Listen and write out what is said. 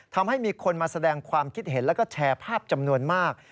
ทำให้มีคนมาแสดงความคิดเห็นแล้วก็แชร์ภาพจำนวนมาก